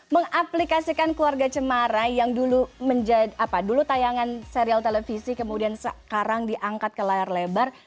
mengaplikasikan keluarga cemara yang dulu tayangan serial televisi kemudian sekarang diangkat ke layar lebar